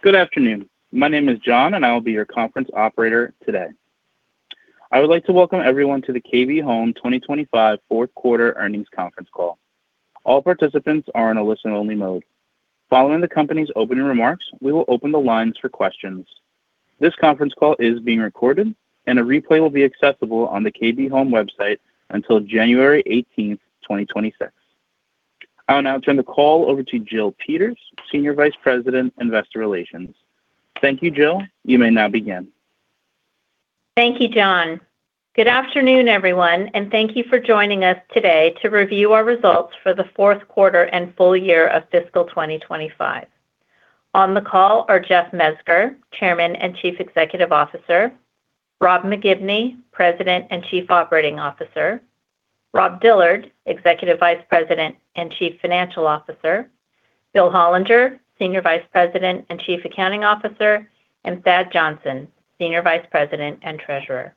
Good afternoon. My name is John, and I will be your conference operator today. I would like to welcome everyone to the KB Home 2025 Fourth Quarter Earnings Conference Call. All participants are in a listen-only mode. Following the company's opening remarks, we will open the lines for questions. This conference call is being recorded, and a replay will be accessible on the KB Home website until January 18th, 2026. I'll now turn the call over to Jill Peters, Senior Vice President, Investor Relations. Thank you, Jill. You may now begin. Thank you, John. Good afternoon, everyone, and thank you for joining us today to review our results for the fourth quarter and full year of fiscal 2025. On the call are Jeff Mezger, Chairman and Chief Executive Officer, Rob McGibney, President and Chief Operating Officer, Rob Dillard, Executive Vice President and Chief Financial Officer, Bill Hollinger, Senior Vice President and Chief Accounting Officer, and Thad Johnson, Senior Vice President and Treasurer.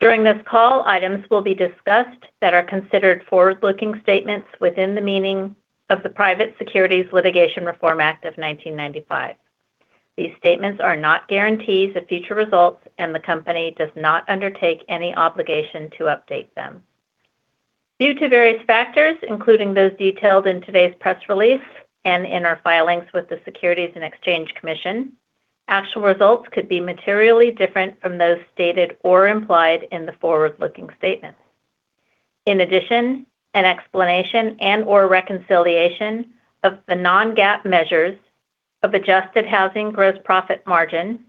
During this call, items will be discussed that are considered forward-looking statements within the meaning of the Private Securities Litigation Reform Act of 1995. These statements are not guarantees of future results, and the company does not undertake any obligation to update them. Due to various factors, including those detailed in today's press release and in our filings with the Securities and Exchange Commission, actual results could be materially different from those stated or implied in the forward-looking statements. In addition, an explanation and/or reconciliation of the non-GAAP measures of Adjusted Housing Gross Profit Margin,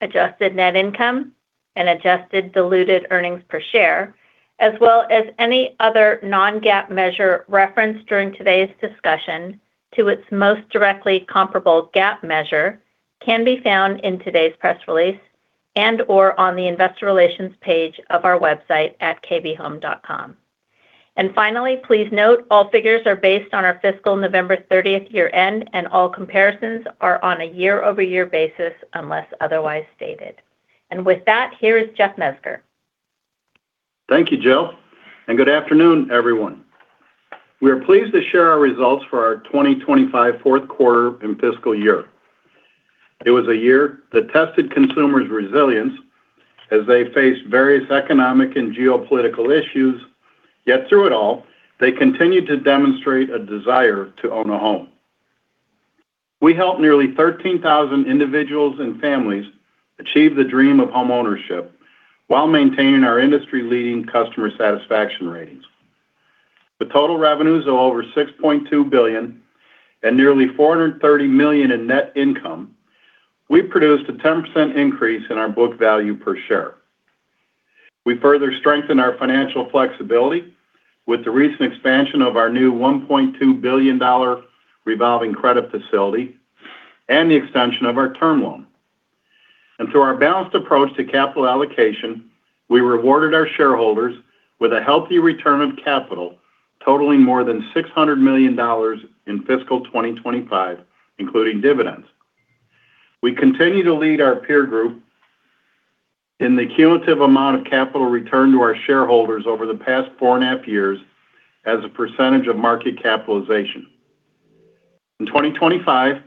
Adjusted Net Income, and Adjusted Diluted Earnings Per Share, as well as any other non-GAAP measure referenced during today's discussion to its most directly comparable GAAP measure, can be found in today's press release and/or on the Investor Relations page of our website at kbhome.com. And finally, please note all figures are based on our fiscal November 30th year-end, and all comparisons are on a year-over-year basis unless otherwise stated. And with that, here is Jeff Mezger. Thank you, Jill, and good afternoon, everyone. We are pleased to share our results for our 2025 fourth quarter and fiscal year. It was a year that tested consumers' resilience as they faced various economic and geopolitical issues, yet through it all, they continued to demonstrate a desire to own a home. We helped nearly 13,000 individuals and families achieve the dream of homeownership while maintaining our industry-leading customer satisfaction ratings. With total revenues of over $6.2 billion and nearly $430 million in net income, we produced a 10% increase in our book value per share. We further strengthened our financial flexibility with the recent expansion of our new $1.2 billion revolving credit facility and the extension of our term loan, and through our balanced approach to capital allocation, we rewarded our shareholders with a healthy return of capital totaling more than $600 million in fiscal 2025, including dividends. We continue to lead our peer group in the cumulative amount of capital returned to our shareholders over the past 4.5 years as a percentage of market capitalization. In 2025,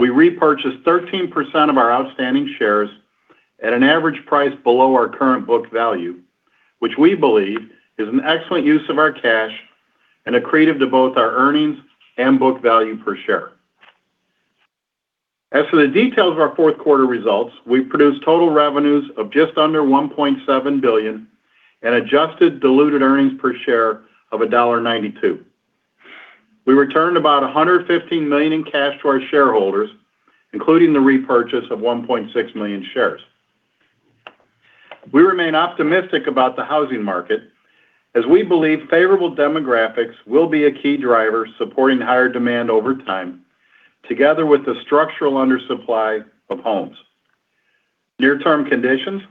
we repurchased 13% of our outstanding shares at an average price below our current book value, which we believe is an excellent use of our cash and accretive to both our earnings and book value per share. As for the details of our fourth quarter results, we produced total revenues of just under $1.7 billion and Adjusted Diluted Earnings Per Share of $1.92. We returned about $115 million in cash to our shareholders, including the repurchase of 1.6 million shares. We remain optimistic about the housing market as we believe favorable demographics will be a key driver supporting higher demand over time, together with the structural undersupply of homes. Near-term conditions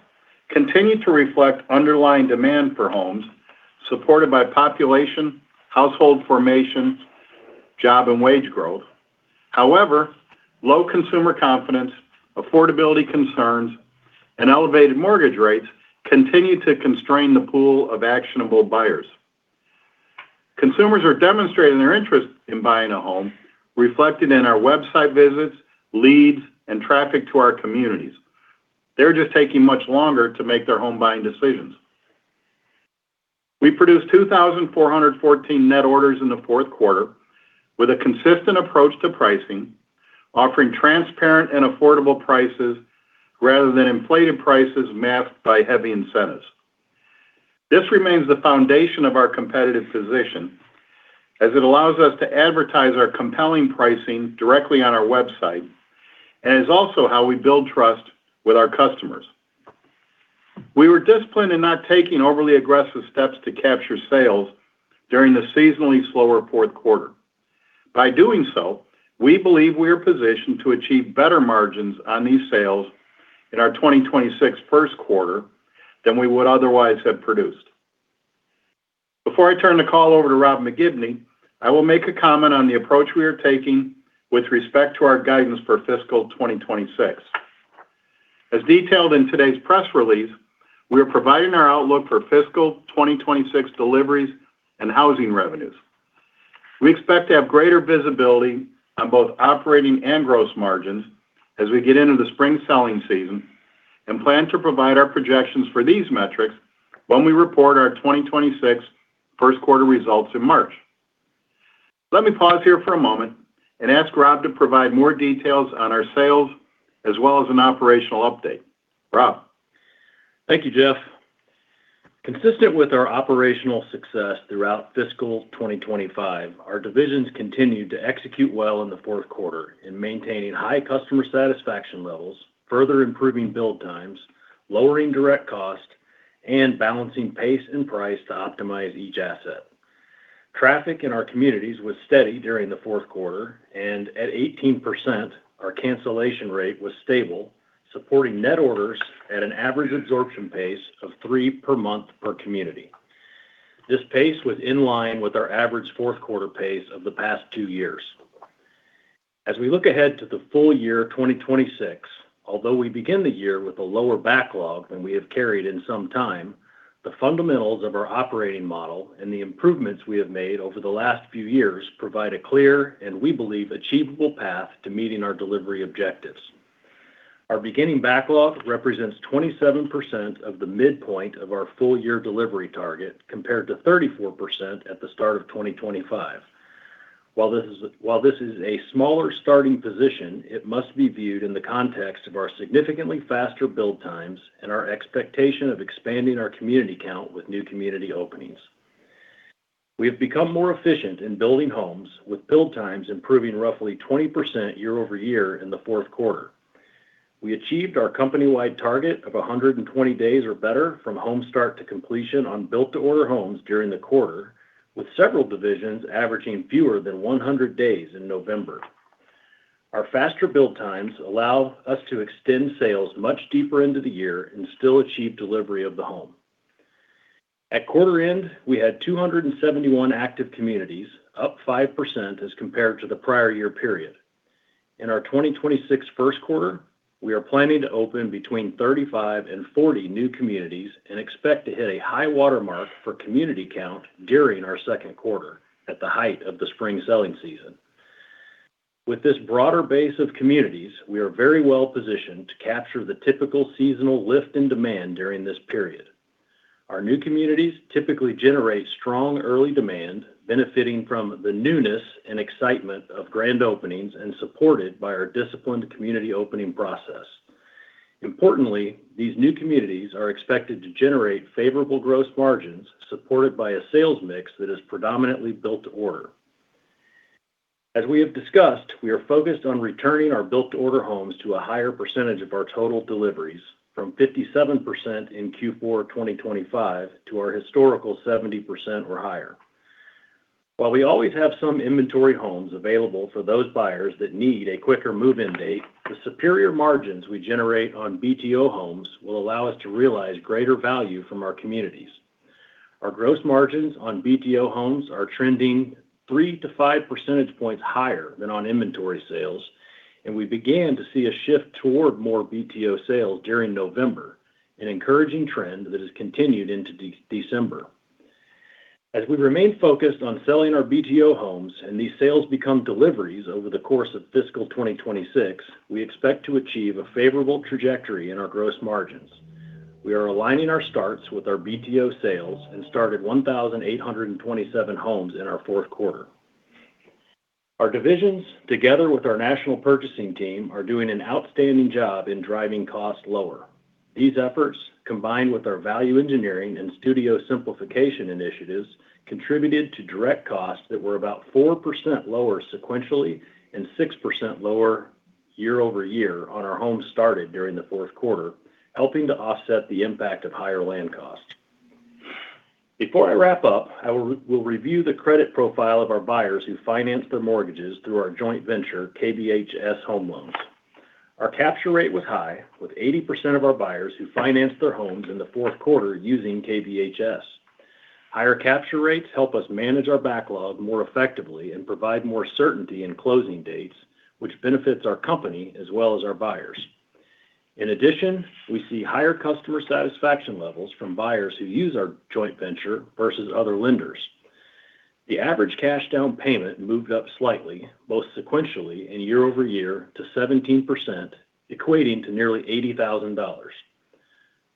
continue to reflect underlying demand for homes supported by population, household formation, job, and wage growth. However, low consumer confidence, affordability concerns, and elevated mortgage rates continue to constrain the pool of actionable buyers. Consumers are demonstrating their interest in buying a home, reflected in our website visits, leads, and traffic to our communities. They're just taking much longer to make their home buying decisions. We produced 2,414 net orders in the fourth quarter with a consistent approach to pricing, offering transparent and affordable prices rather than inflated prices masked by heavy incentives. This remains the foundation of our competitive position as it allows us to advertise our compelling pricing directly on our website and is also how we build trust with our customers. We were disciplined in not taking overly aggressive steps to capture sales during the seasonally slower fourth quarter. By doing so, we believe we are positioned to achieve better margins on these sales in our 2026 first quarter than we would otherwise have produced. Before I turn the call over to Rob McGibney, I will make a comment on the approach we are taking with respect to our guidance for fiscal 2026. As detailed in today's press release, we are providing our outlook for fiscal 2026 deliveries and housing revenues. We expect to have greater visibility on both operating and gross margins as we get into the spring selling season and plan to provide our projections for these metrics when we report our 2026 first quarter results in March. Let me pause here for a moment and ask Rob to provide more details on our sales as well as an operational update. Rob? Thank you, Jeff. Consistent with our operational success throughout fiscal 2025, our divisions continued to execute well in the fourth quarter in maintaining high customer satisfaction levels, further improving build times, lowering direct cost, and balancing pace and price to optimize each asset. Traffic in our communities was steady during the fourth quarter, and at 18%, our cancellation rate was stable, supporting net orders at an average absorption pace of three per month per community. This pace was in line with our average fourth quarter pace of the past two years. As we look ahead to the full year 2026, although we begin the year with a lower backlog than we have carried in some time, the fundamentals of our operating model and the improvements we have made over the last few years provide a clear and, we believe, achievable path to meeting our delivery objectives. Our beginning backlog represents 27% of the midpoint of our full year delivery target compared to 34% at the start of 2025. While this is a smaller starting position, it must be viewed in the context of our significantly faster build times and our expectation of expanding our community count with new community openings. We have become more efficient in building homes, with build times improving roughly 20% year-over-year in the fourth quarter. We achieved our company-wide target of 120 days or better from home start to completion on Built-to-Order homes during the quarter, with several divisions averaging fewer than 100 days in November. Our faster build times allow us to extend sales much deeper into the year and still achieve delivery of the home. At quarter end, we had 271 active communities, up 5% as compared to the prior year period. In our 2026 first quarter, we are planning to open between 35 and 40 new communities and expect to hit a high watermark for community count during our second quarter at the height of the spring selling season. With this broader base of communities, we are very well positioned to capture the typical seasonal lift in demand during this period. Our new communities typically generate strong early demand, benefiting from the newness and excitement of grand openings and supported by our disciplined community opening process. Importantly, these new communities are expected to generate favorable gross margins supported by a sales mix that is predominantly Built-to-Order. As we have discussed, we are focused on returning our Built-to-Order homes to a higher percentage of our total deliveries from 57% in Q4 2025 to our historical 70% or higher. While we always have some inventory homes available for those buyers that need a quicker move-in date, the superior margins we generate on BTO homes will allow us to realize greater value from our communities. Our gross margins on BTO homes are trending 3 percentage points-5 percentage points higher than on inventory sales, and we began to see a shift toward more BTO sales during November, an encouraging trend that has continued into December. As we remain focused on selling our BTO homes and these sales become deliveries over the course of fiscal 2026, we expect to achieve a favorable trajectory in our gross margins. We are aligning our starts with our BTO sales and started 1,827 homes in our fourth quarter. Our divisions, together with our national purchasing team, are doing an outstanding job in driving costs lower. These efforts, combined with our value engineering and studio simplification initiatives, contributed to direct costs that were about 4% lower sequentially and 6% lower year-over-year on our homes started during the fourth quarter, helping to offset the impact of higher land costs. Before I wrap up, I will review the credit profile of our buyers who financed their mortgages through our joint venture, KBHS Home Loans. Our capture rate was high, with 80% of our buyers who financed their homes in the fourth quarter using KBHS. Higher capture rates help us manage our backlog more effectively and provide more certainty in closing dates, which benefits our company as well as our buyers. In addition, we see higher customer satisfaction levels from buyers who use our joint venture versus other lenders. The average cash down payment moved up slightly, both sequentially and year-over-year, to 17%, equating to nearly $80,000.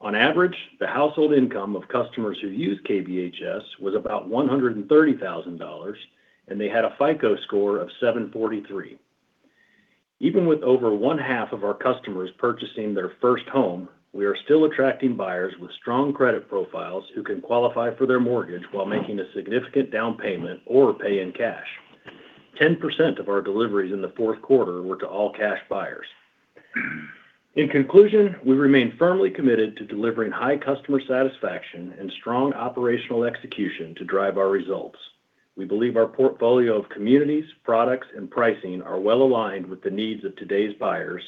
On average, the household income of customers who use KBHS was about $130,000, and they had a FICO score of 743. Even with over 1/2 of our customers purchasing their first home, we are still attracting buyers with strong credit profiles who can qualify for their mortgage while making a significant down payment or pay in cash. 10% of our deliveries in the fourth quarter were to all cash buyers. In conclusion, we remain firmly committed to delivering high customer satisfaction and strong operational execution to drive our results. We believe our portfolio of communities, products, and pricing are well aligned with the needs of today's buyers,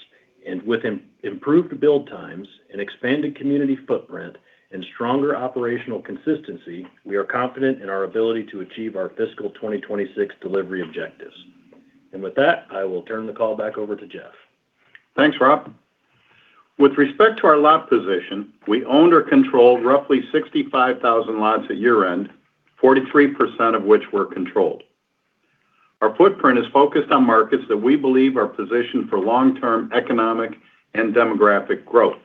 and with improved build times, an expanded community footprint, and stronger operational consistency, we are confident in our ability to achieve our fiscal 2026 delivery objectives, and with that, I will turn the call back over to Jeff. Thanks, Rob. With respect to our lot position, we owned or controlled roughly 65,000 lots at year-end, 43% of which were controlled. Our footprint is focused on markets that we believe are positioned for long-term economic and demographic growth.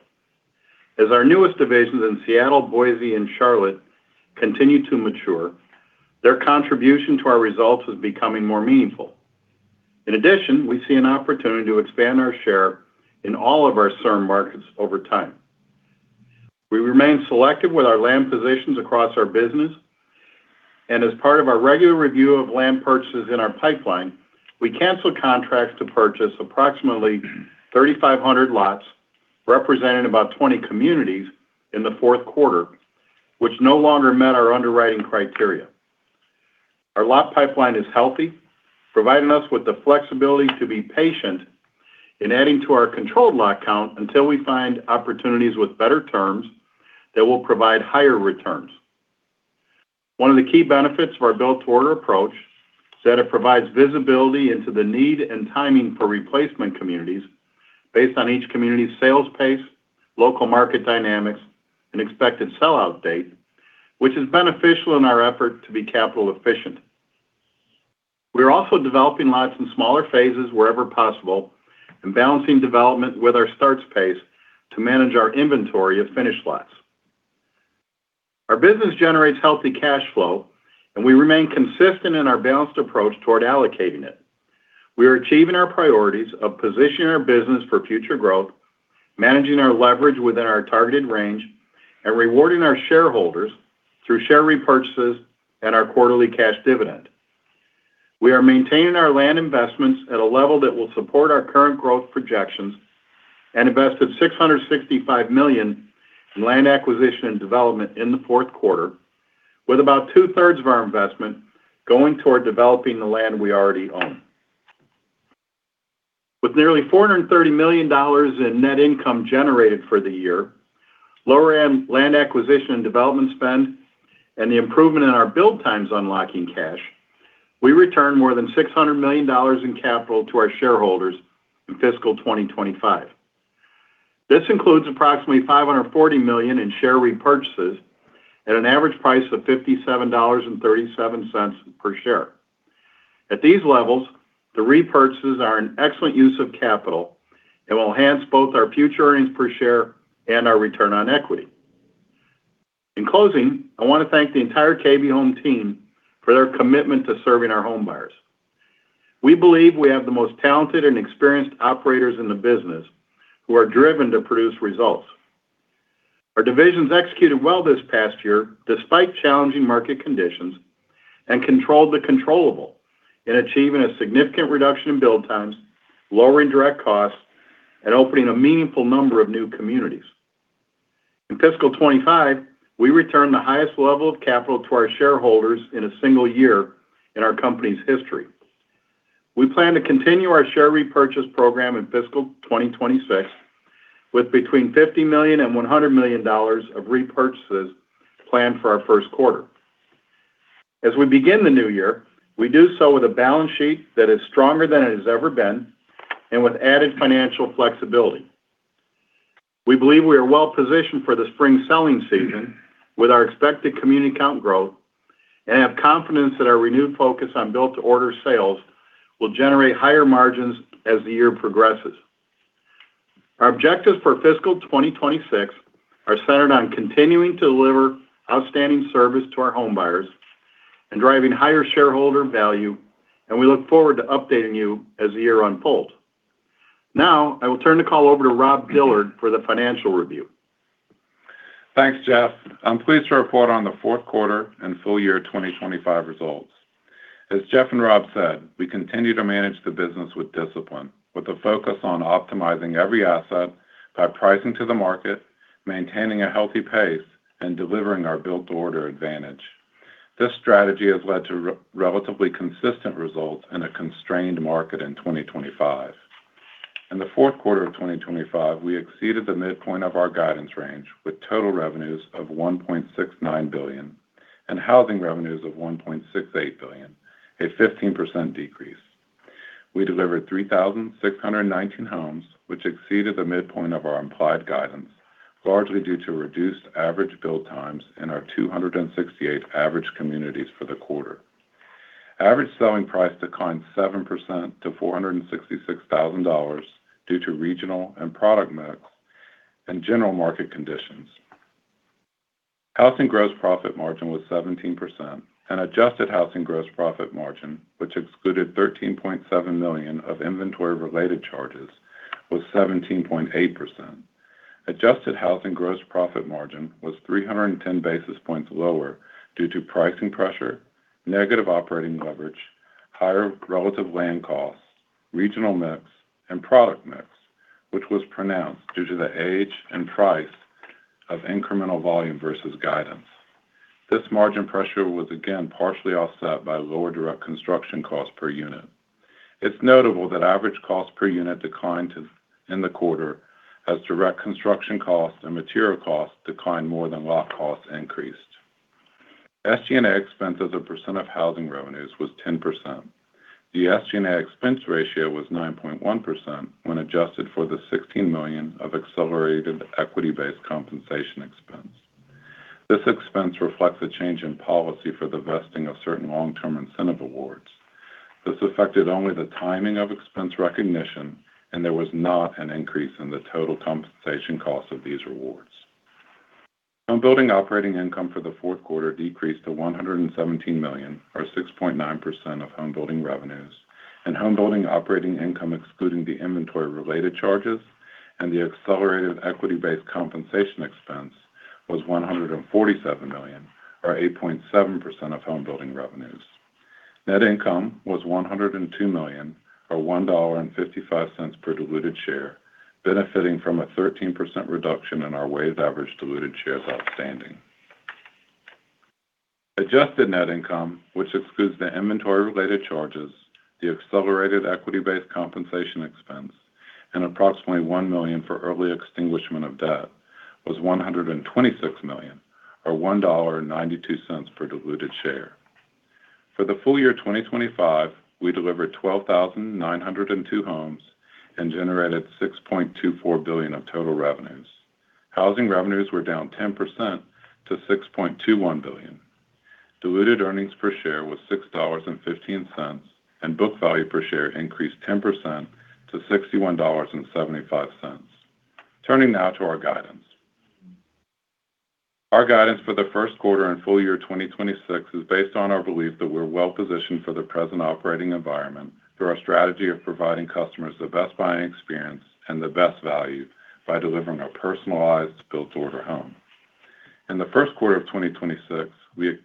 As our newest divisions in Seattle, Boise, and Charlotte continue to mature, their contribution to our results is becoming more meaningful. In addition, we see an opportunity to expand our share in all of our Sunbelt markets over time. We remain selective with our land positions across our business. And as part of our regular review of land purchases in our pipeline, we canceled contracts to purchase approximately 3,500 lots, representing about 20 communities in the fourth quarter, which no longer met our underwriting criteria. Our lot pipeline is healthy, providing us with the flexibility to be patient in adding to our controlled lot count until we find opportunities with better terms that will provide higher returns. One of the key benefits of our Built-to-Order approach is that it provides visibility into the need and timing for replacement communities based on each community's sales pace, local market dynamics, and expected sell-out date, which is beneficial in our effort to be capital efficient. We are also developing lots in smaller phases wherever possible and balancing development with our starts pace to manage our inventory of finished lots. Our business generates healthy cash flow, and we remain consistent in our balanced approach toward allocating it. We are achieving our priorities of positioning our business for future growth, managing our leverage within our targeted range, and rewarding our shareholders through share repurchases and our quarterly cash dividend. We are maintaining our land investments at a level that will support our current growth projections and invested $665 million in land acquisition and development in the fourth quarter, with about 2/3 of our investment going toward developing the land we already own. With nearly $430 million in net income generated for the year, lower land acquisition and development spend, and the improvement in our build times unlocking cash, we returned more than $600 million in capital to our shareholders in fiscal 2025. This includes approximately $540 million in share repurchases at an average price of $57.37 per share. At these levels, the repurchases are an excellent use of capital and will enhance both our future earnings per share and our return on equity. In closing, I want to thank the entire KB Home team for their commitment to serving our home buyers. We believe we have the most talented and experienced operators in the business who are driven to produce results. Our divisions executed well this past year despite challenging market conditions and controlled the controllable in achieving a significant reduction in build times, lowering direct costs, and opening a meaningful number of new communities. In fiscal 2025, we returned the highest level of capital to our shareholders in a single year in our company's history. We plan to continue our share repurchase program in fiscal 2026 with between $50 million and $100 million of repurchases planned for our first quarter. As we begin the new year, we do so with a balance sheet that is stronger than it has ever been and with added financial flexibility. We believe we are well positioned for the spring selling season with our expected community count growth and have confidence that our renewed focus on Built-to-Order sales will generate higher margins as the year progresses. Our objectives for fiscal 2026 are centered on continuing to deliver outstanding service to our home buyers and driving higher shareholder value, and we look forward to updating you as the year unfolds. Now, I will turn the call over to Rob Dillard for the financial review. Thanks, Jeff. I'm pleased to report on the fourth quarter and full year 2025 results. As Jeff and Rob said, we continue to manage the business with discipline, with a focus on optimizing every asset by pricing to the market, maintaining a healthy pace, and delivering our Built-to-Order advantage. This strategy has led to relatively consistent results in a constrained market in 2025. In the fourth quarter of 2025, we exceeded the midpoint of our guidance range with total revenues of $1.69 billion and housing revenues of $1.68 billion, a 15% decrease. We delivered 3,619 homes, which exceeded the midpoint of our implied guidance, largely due to reduced average build times in our 268 average communities for the quarter. Average selling price declined 7% to $466,000 due to regional and product mix and general market conditions. Housing gross profit margin was 17%, and Adjusted Housing Gross Profit Margin, which excluded $13.7 million of inventory-related charges, was 17.8%. Adjusted Housing Gross Profit Margin was 310 basis points lower due to pricing pressure, negative operating leverage, higher relative land costs, regional mix, and product mix, which was pronounced due to the age and price of incremental volume versus guidance. This margin pressure was again partially offset by lower direct construction costs per unit. It's notable that average costs per unit declined in the quarter as direct construction costs and material costs declined more than lot costs increased. SG&A expenses as a percent of housing revenues was 10%. The SG&A expense ratio was 9.1% when adjusted for the $16 million of accelerated equity-based compensation expense. This expense reflects a change in policy for the vesting of certain long-term incentive awards. This affected only the timing of expense recognition, and there was not an increase in the total compensation cost of these awards. Homebuilding operating income for the fourth quarter decreased to $117 million, or 6.9% of homebuilding revenues, and homebuilding operating income excluding the inventory-related charges and the accelerated equity-based compensation expense was $147 million, or 8.7% of homebuilding revenues. Net income was $102 million, or $1.55 per diluted share, benefiting from a 13% reduction in our weighted average diluted shares outstanding. Adjusted Net Income, which excludes the inventory-related charges, the accelerated equity-based compensation expense, and approximately $1 million for early extinguishment of debt, was $126 million, or $1.92 per diluted share. For the full year 2025, we delivered 12,902 homes and generated $6.24 billion of total revenues. Housing revenues were down 10% to $6.21 billion. Diluted earnings per share was $6.15, and book value per share increased 10% to $61.75. Turning now to our guidance. Our guidance for the first quarter and full year 2026 is based on our belief that we're well positioned for the present operating environment through our strategy of providing customers the best buying experience and the best value by delivering a personalized Built-to-Order home. In the first quarter of 2026, we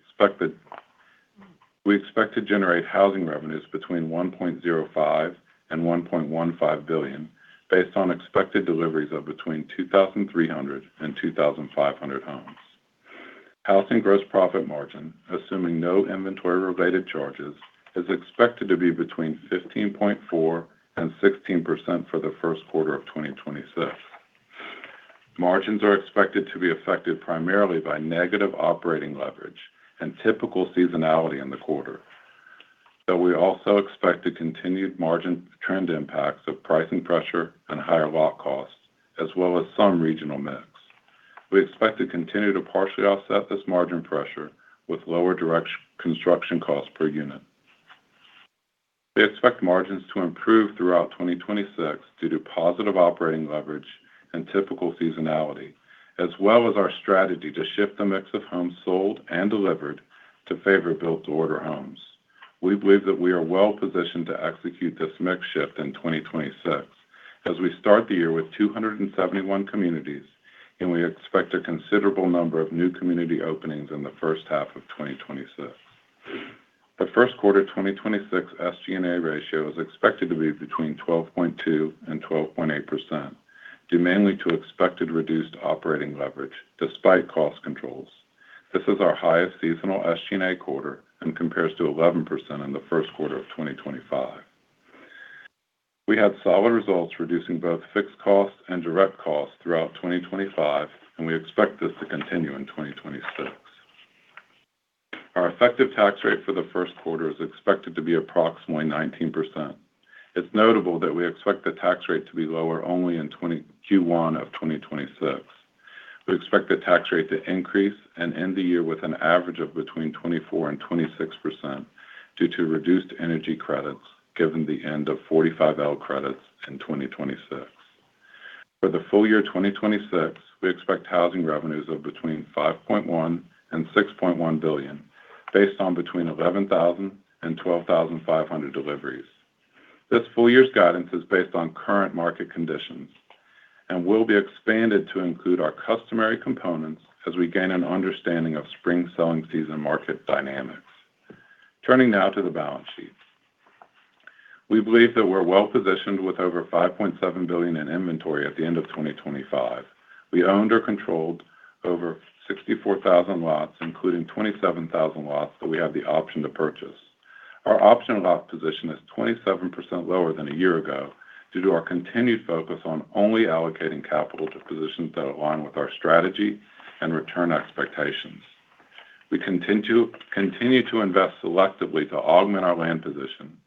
expect to generate housing revenues between $1.05 and $1.15 billion based on expected deliveries of between 2,300 and 2,500 homes. Housing gross profit margin, assuming no inventory-related charges, is expected to be between 15.4% and 16% for the first quarter of 2026. Margins are expected to be affected primarily by negative operating leverage and typical seasonality in the quarter, though we also expect continued margin trend impacts of pricing pressure and higher lot costs, as well as some regional mix. We expect to continue to partially offset this margin pressure with lower construction costs per unit. We expect margins to improve throughout 2026 due to positive operating leverage and typical seasonality, as well as our strategy to shift the mix of homes sold and delivered to favor Built-to-Order homes. We believe that we are well positioned to execute this mix shift in 2026 as we start the year with 271 communities, and we expect a considerable number of new community openings in the first half of 2026. The first quarter 2026 SG&A ratio is expected to be between 12.2% and 12.8%, due mainly to expected reduced operating leverage despite cost controls. This is our highest seasonal SG&A quarter and compares to 11% in the first quarter of 2025. We had solid results reducing both fixed costs and direct costs throughout 2025, and we expect this to continue in 2026. Our effective tax rate for the first quarter is expected to be approximately 19%. It's notable that we expect the tax rate to be lower only in Q1 of 2026. We expect the tax rate to increase and end the year with an average of between 24% and 26% due to reduced energy credits given the end of 45L credits in 2026. For the full year 2026, we expect housing revenues of between $5.1 billion and $6.1 billion based on between 11,000 and 12,500 deliveries. This full year's guidance is based on current market conditions and will be expanded to include our customary components as we gain an understanding of spring selling season market dynamics. Turning now to the balance sheet. We believe that we're well positioned with over $5.7 billion in inventory at the end of 2025. We owned or controlled over 64,000 lots, including 27,000 lots that we have the option to purchase. Our option lot position is 27% lower than a year ago due to our continued focus on only allocating capital to positions that align with our strategy and return expectations. We continue to invest selectively to augment our land position,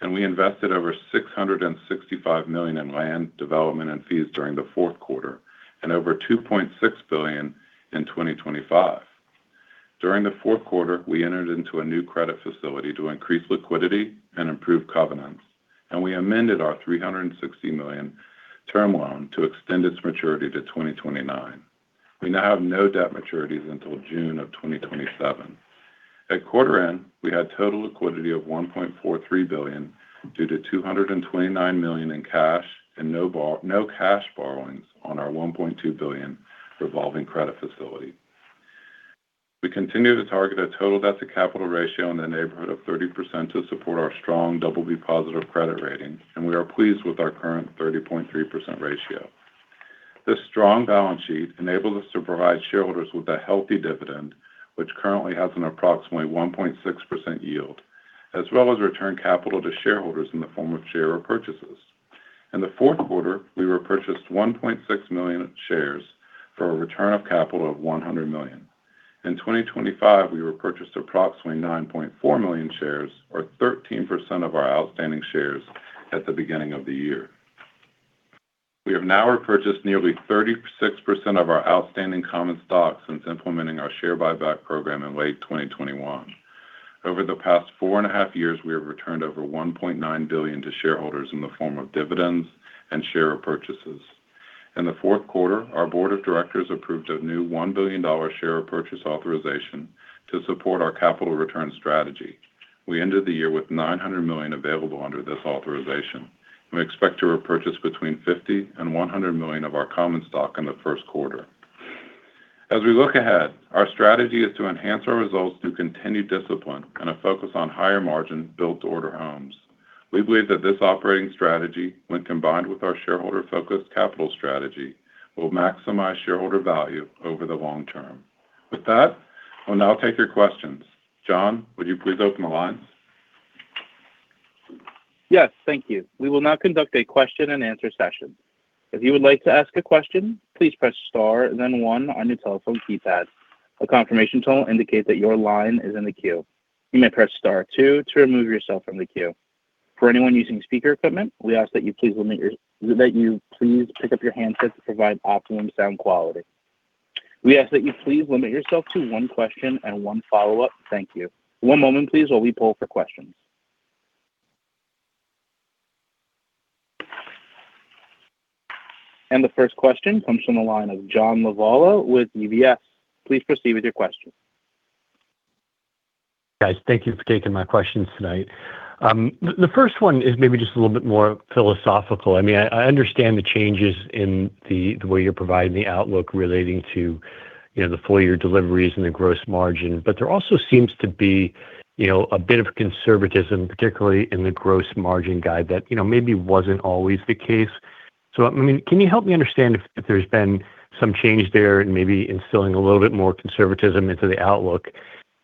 and we invested over $665 million in land development and fees during the fourth quarter and over $2.6 billion in 2025. During the fourth quarter, we entered into a new credit facility to increase liquidity and improve covenants, and we amended our $360 million term loan to extend its maturity to 2029. We now have no debt maturities until June of 2027. At quarter end, we had total liquidity of $1.43 billion due to $229 million in cash and no cash borrowings on our $1.2 billion revolving credit facility. We continue to target a total debt-to-capital ratio in the neighborhood of 30% to support our strong BB+ credit rating, and we are pleased with our current 30.3% ratio. This strong balance sheet enables us to provide shareholders with a healthy dividend, which currently has an approximately 1.6% yield, as well as return capital to shareholders in the form of share repurchases. In the fourth quarter, we repurchased 1.6 million shares for a return of capital of $100 million. In 2025, we repurchased approximately 9.4 million shares, or 13% of our outstanding shares at the beginning of the year. We have now repurchased nearly 36% of our outstanding common stock since implementing our share buyback program in late 2021. Over the past four and a half years, we have returned over $1.9 billion to shareholders in the form of dividends and share repurchases. In the fourth quarter, our board of directors approved a new $1 billion share repurchase authorization to support our capital return strategy. We ended the year with $900 million available under this authorization, and we expect to repurchase between $50 million and $100 million of our common stock in the first quarter. As we look ahead, our strategy is to enhance our results through continued discipline and a focus on higher margin Built-to-Order homes. We believe that this operating strategy, when combined with our shareholder-focused capital strategy, will maximize shareholder value over the long term. With that, I'll now take your questions. John, would you please open the lines? Yes, thank you. We will now conduct a question-and-answer session. If you would like to ask a question, please press star and then one on your telephone keypad. A confirmation tonal indicates that your line is in the queue. You may press star two to remove yourself from the queue. For anyone using speaker equipment, we ask that you please pick up your handset to provide optimum sound quality. We ask that you please limit yourself to one question and one follow-up. Thank you. One moment, please, while we pull for questions. And the first question comes from the line of John Lovallo with UBS. Please proceed with your question. Guys, thank you for taking my questions tonight. The first one is maybe just a little bit more philosophical. I mean, I understand the changes in the way you're providing the outlook relating to the full year deliveries and the gross margin, but there also seems to be a bit of conservatism, particularly in the gross margin guide that maybe wasn't always the case. So I mean, can you help me understand if there's been some change there and maybe instilling a little bit more conservatism into the outlook,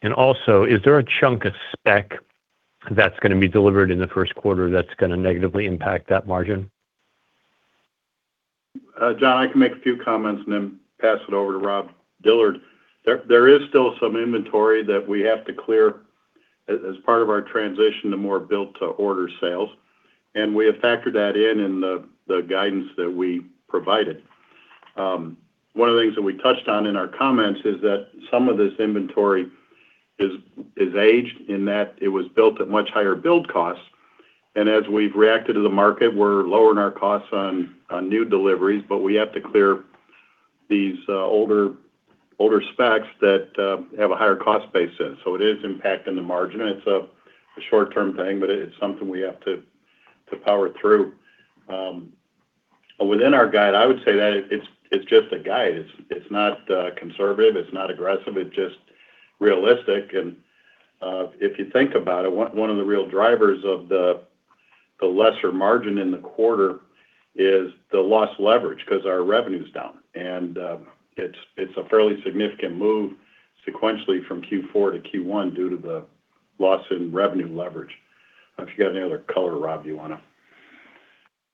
and also, is there a chunk of spec that's going to be delivered in the first quarter that's going to negatively impact that margin? John, I can make a few comments and then pass it over to Rob Dillard. There is still some inventory that we have to clear as part of our transition to more Built-to-Order sales, and we have factored that in in the guidance that we provided. One of the things that we touched on in our comments is that some of this inventory is aged in that it was built at much higher build costs, and as we've reacted to the market, we're lowering our costs on new deliveries, but we have to clear these older specs that have a higher cost base in, so it is impacting the margin. It's a short-term thing, but it's something we have to power through. Within our guide, I would say that it's just a guide. It's not conservative. It's not aggressive. It's just realistic. If you think about it, one of the real drivers of the lesser margin in the quarter is the loss leverage because our revenue is down. It's a fairly significant move sequentially from Q4 to Q1 due to the loss in revenue leverage. If you got any other color, Rob, you want to?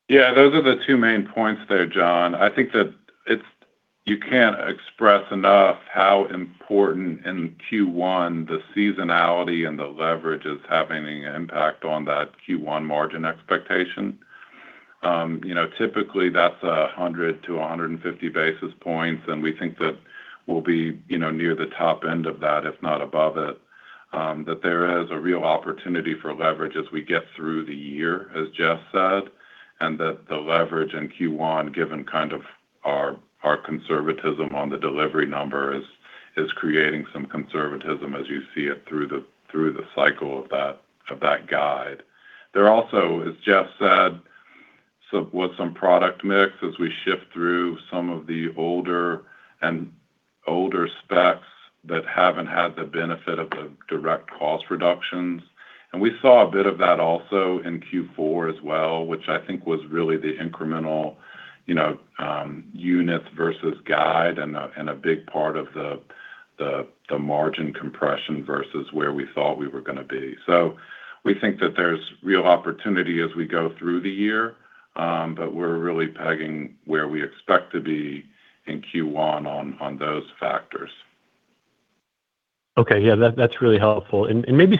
Yeah, those are the two main points there, John. I think that you can't express enough how important in Q1 the seasonality and the leverage is having an impact on that Q1 margin expectation. Typically, that's 100 basis points-150 basis points, and we think that we'll be near the top end of that, if not above it, that there is a real opportunity for leverage as we get through the year, as Jeff said, and that the leverage in Q1, given kind of our conservatism on the delivery number, is creating some conservatism as you see it through the cycle of that guide. There also, as Jeff said, was some product mix as we shift through some of the older specs that haven't had the benefit of the direct cost reductions. We saw a bit of that also in Q4 as well, which I think was really the incremental units versus guide and a big part of the margin compression versus where we thought we were going to be. We think that there's real opportunity as we go through the year, but we're really pegging where we expect to be in Q1 on those factors. Okay. Yeah, that's really helpful. And maybe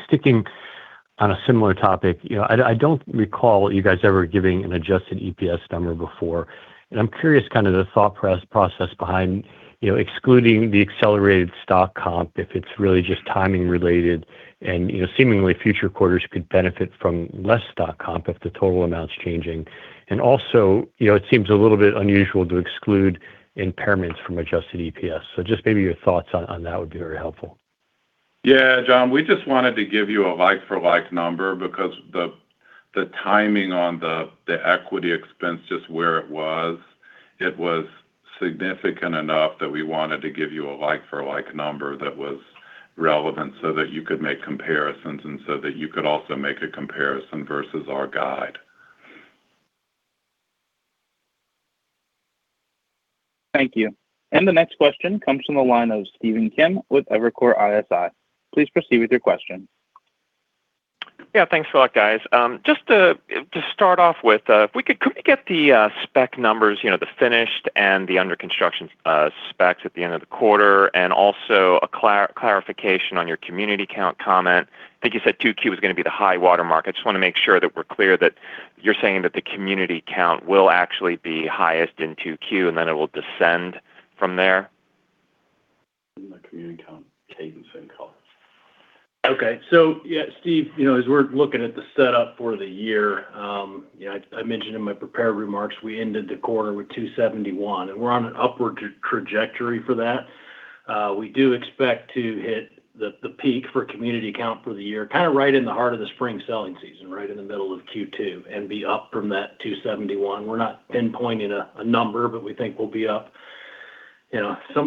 sticking on a similar topic, I don't recall you guys ever giving an Adjusted EPS number before. And I'm curious kind of the thought process behind excluding the accelerated stock comp if it's really just timing related and seemingly future quarters could benefit from less stock comp if the total amount's changing. And also, it seems a little bit unusual to exclude impairments from Adjusted EPS. So just maybe your thoughts on that would be very helpful. Yeah, John, we just wanted to give you a like-for-like number because the timing on the equity expense, just where it was, it was significant enough that we wanted to give you a like-for-like number that was relevant so that you could make comparisons and so that you could also make a comparison versus our guide. Thank you. And the next question comes from the line of Stephen Kim with Evercore ISI. Please proceed with your question. Yeah, thanks a lot, guys. Just to start off with, if we could get the spec numbers, the finished and the under construction specs at the end of the quarter, and also a clarification on your community count comment. I think you said Q2 was going to be the high watermark. I just want to make sure that we're clear that you're saying that the community count will actually be highest in Q2, and then it will descend from there? The community count cadence and color. Okay. So yeah, Stephen, as we're looking at the setup for the year, I mentioned in my prepared remarks, we ended the quarter with 271, and we're on an upward trajectory for that. We do expect to hit the peak for community count for the year, kind of right in the heart of the spring selling season, right in the middle of Q2, and be up from that 271. We're not pinpointing a number, but we think we'll be up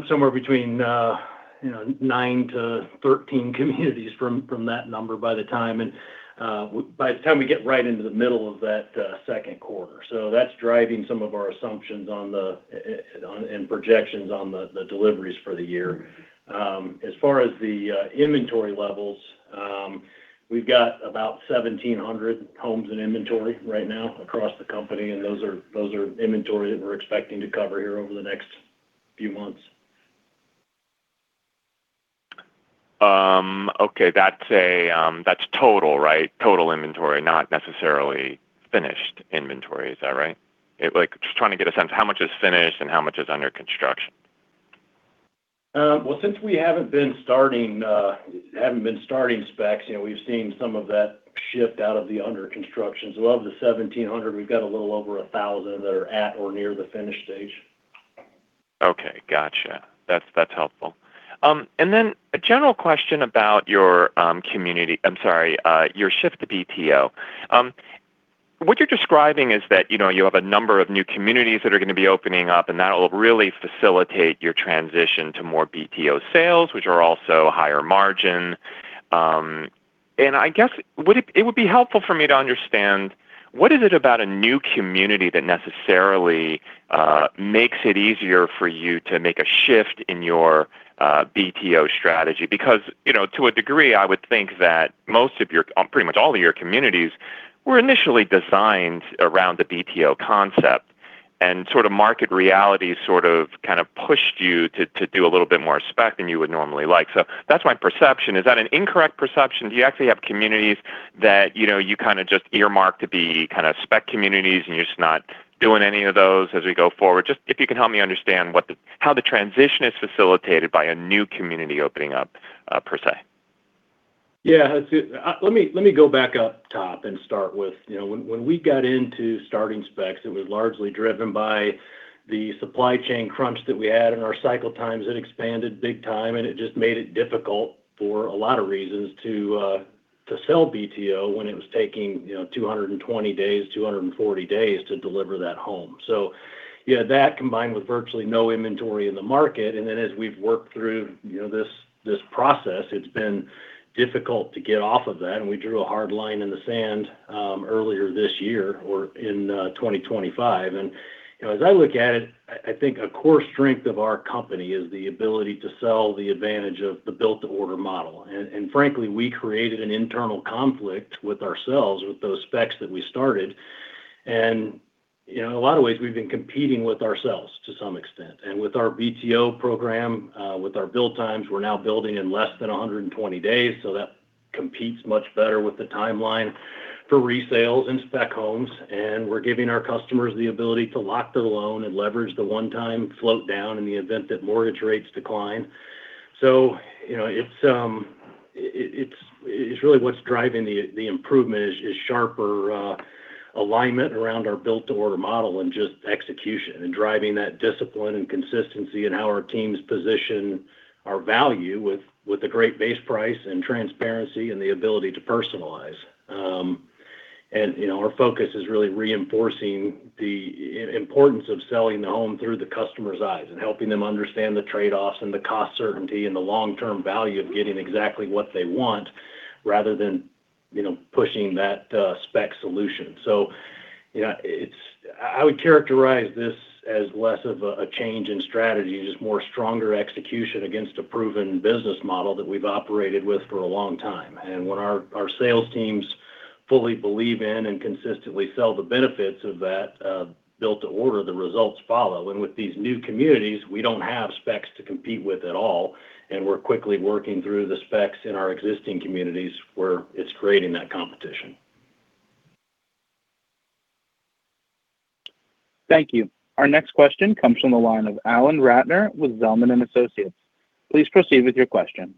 somewhere between nine to 13 communities from that number by the time we get right into the middle of that second quarter. So that's driving some of our assumptions and projections on the deliveries for the year. As far as the inventory levels, we've got about 1,700 homes in inventory right now across the company, and those are inventory that we're expecting to cover here over the next few months. Okay. That's total, right? Total inventory, not necessarily finished inventory. Is that right? Just trying to get a sense. How much is finished and how much is under construction? Since we haven't been starting specs, we've seen some of that shift out of the under construction. Of the 1,700, we've got a little over 1,000 that are at or near the finished stage. Okay. Gotcha. That's helpful. And then a general question about your community-I'm sorry, your shift to BTO. What you're describing is that you have a number of new communities that are going to be opening up, and that will really facilitate your transition to more BTO sales, which are also higher margin. And I guess it would be helpful for me to understand what is it about a new community that necessarily makes it easier for you to make a shift in your BTO strategy? Because to a degree, I would think that most of your-pretty much all of your communities were initially designed around the BTO concept, and sort of market reality sort of kind of pushed you to do a little bit more spec than you would normally like. So that's my perception. Is that an incorrect perception? Do you actually have communities that you kind of just earmark to be kind of spec communities, and you're just not doing any of those as we go forward? Just if you can help me understand how the transition is facilitated by a new community opening up, per se. Yeah. Let me go back up top and start with when we got into starting specs. It was largely driven by the supply chain crunch that we had in our cycle times. It expanded big time, and it just made it difficult for a lot of reasons to sell BTO when it was taking 220 days, 240 days to deliver that home. So yeah, that combined with virtually no inventory in the market, and then as we've worked through this process, it's been difficult to get off of that, and we drew a hard line in the sand earlier this year or in 2025, and as I look at it, I think a core strength of our company is the ability to sell the advantage of the Built-to-Order model, and frankly, we created an internal conflict with ourselves with those specs that we started. And in a lot of ways, we've been competing with ourselves to some extent. And with our BTO program, with our build times, we're now building in less than 120 days. So that competes much better with the timeline for resales and spec homes. And we're giving our customers the ability to lock their loan and leverage the one-time float down in the event that mortgage rates decline. So it's really what's driving the improvement is sharper alignment around our Built-to-Order model and just execution and driving that discipline and consistency in how our teams position our value with a great base price and transparency and the ability to personalize. Our focus is really reinforcing the importance of selling the home through the customer's eyes and helping them understand the trade-offs and the cost certainty and the long-term value of getting exactly what they want rather than pushing that spec solution. I would characterize this as less of a change in strategy, just more stronger execution against a proven business model that we've operated with for a long time. When our sales teams fully believe in and consistently sell the benefits of that Built-to-Order, the results follow. With these new communities, we don't have specs to compete with at all, and we're quickly working through the specs in our existing communities where it's creating that competition. Thank you. Our next question comes from the line of Alan Ratner with Zelman & Associates. Please proceed with your question.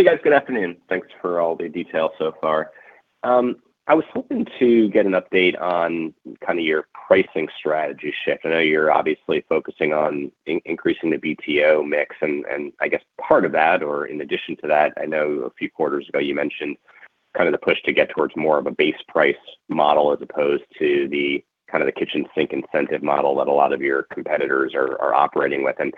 Hey, guys. Good afternoon. Thanks for all the details so far. I was hoping to get an update on kind of your pricing strategy shift. I know you're obviously focusing on increasing the BTO mix. And I guess part of that, or in addition to that, I know a few quarters ago you mentioned kind of the push to get towards more of a base price model as opposed to the kind of kitchen sink incentive model that a lot of your competitors are operating with. And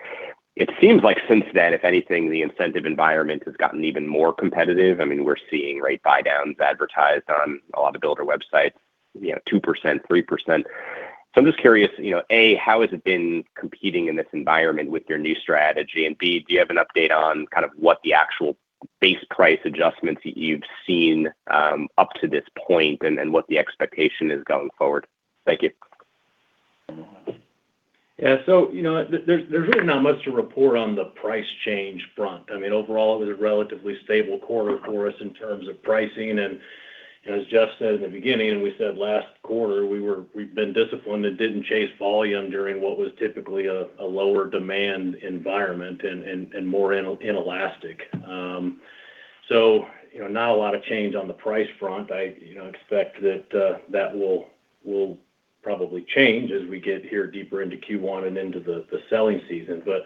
it seems like since then, if anything, the incentive environment has gotten even more competitive. I mean, we're seeing buy-downs advertised on a lot of builder websites, 2%, 3%. So I'm just curious, A, how has it been competing in this environment with your new strategy? And B, do you have an update on kind of what the actual base price adjustments you've seen up to this point and what the expectation is going forward? Thank you. Yeah. So there's really not much to report on the price change front. I mean, overall, it was a relatively stable quarter for us in terms of pricing. And as Jeff said in the beginning, and we said last quarter, we've been disciplined and didn't chase volume during what was typically a lower demand environment and more inelastic. So not a lot of change on the price front. I expect that that will probably change as we get here deeper into Q1 and into the selling season. But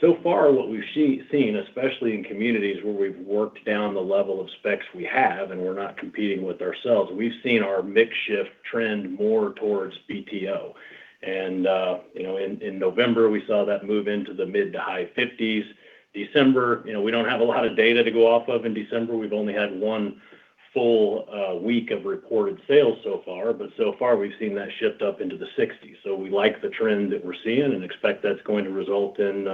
so far, what we've seen, especially in communities where we've worked down the level of specs we have and we're not competing with ourselves, we've seen our mix shift trend more towards BTO. And in November, we saw that move into the mid- to high-50s. December, we don't have a lot of data to go off of in December. We've only had one full week of reported sales so far, but so far, we've seen that shift up into the 60s. So we like the trend that we're seeing and expect that's going to result in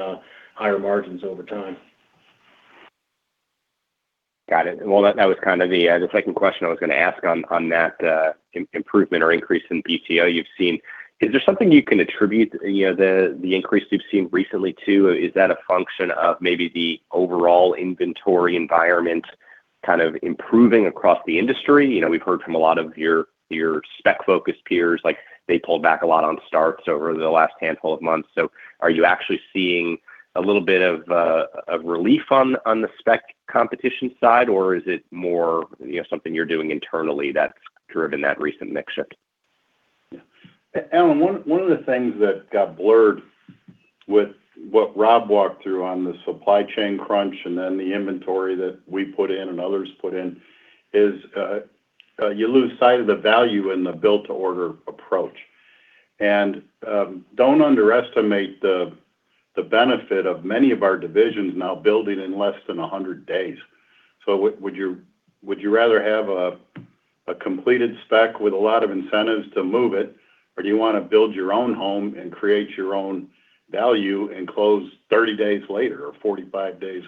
higher margins over time. Got it. Well, that was kind of the second question I was going to ask on that improvement or increase in BTO you've seen. Is there something you can attribute the increase you've seen recently to? Is that a function of maybe the overall inventory environment kind of improving across the industry? We've heard from a lot of your spec-focused peers like they pulled back a lot on starts over the last handful of months. So are you actually seeing a little bit of relief on the spec competition side, or is it more something you're doing internally that's driven that recent mix shift? Yeah. Alan, one of the things that got blurred with what Rob walked through on the supply chain crunch and then the inventory that we put in and others put in is you lose sight of the value in the Built-to-Order approach. Don't underestimate the benefit of many of our divisions now building in less than 100 days. So would you rather have a completed spec with a lot of incentives to move it, or do you want to build your own home and create your own value and close 30 days later or 45 days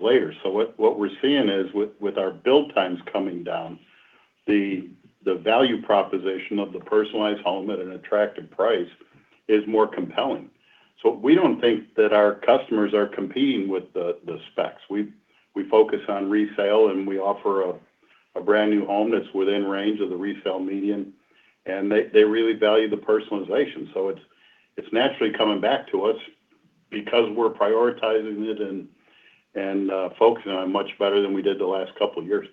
later? So what we're seeing is with our build times coming down, the value proposition of the personalized home at an attractive price is more compelling. So we don't think that our customers are competing with the specs. We focus on resale, and we offer a brand new home that's within range of the resale median, and they really value the personalization. So it's naturally coming back to us because we're prioritizing it and focusing on it much better than we did the last couple of years.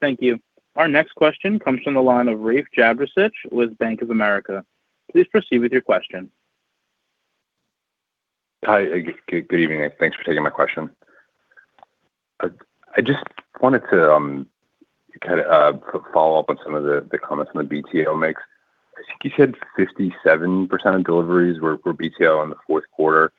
Thank you. Our next question comes from the line of Rafe Jadrosich with Bank of America. Please proceed with your question. Hi. Good evening. Thanks for taking my question. I just wanted to kind of follow up on some of the comments on the BTO mix. I think you said 57% of deliveries were BTO in the fourth quarter.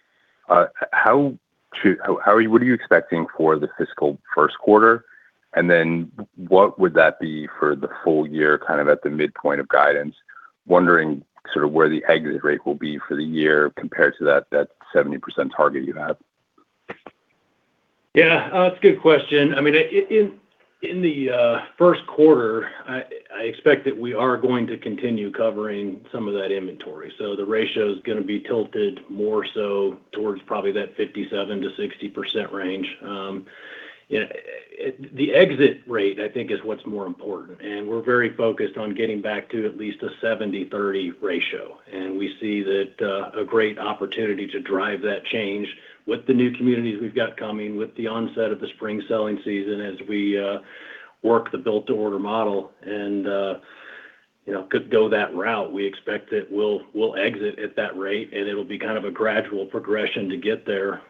What are you expecting for the fiscal first quarter? And then what would that be for the full year kind of at the midpoint of guidance? Wondering sort of where the exit rate will be for the year compared to that 70% target you have. Yeah. That's a good question. I mean, in the first quarter, I expect that we are going to continue covering some of that inventory. So the ratio is going to be tilted more so towards probably that 57%-60% range. The exit rate, I think, is what's more important. And we're very focused on getting back to at least a 70/30 ratio. And we see a great opportunity to drive that change with the new communities we've got coming with the onset of the spring selling season as we work the Built-to-Order model and could go that route. We expect that we'll exit at that rate, and it'll be kind of a gradual progression to get there